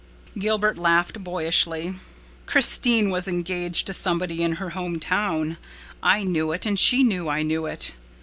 Gilbert laughed boyishly. "Christine was engaged to somebody in her home town. I knew it and she knew I knew it.